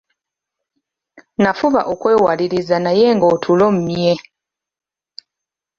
Nafuba okwewaliriza naye nga otulo mmye!